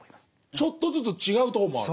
ちょっとずつ違うとこもある？